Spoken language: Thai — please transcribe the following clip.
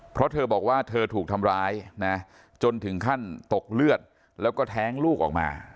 เพราะเธอบอกว่าเธอถูกทำร้ายนะจนถึงขั้นตกเลือดแล้วก็แท้งลูกออกมา